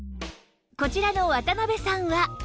こちらの渡邉さんは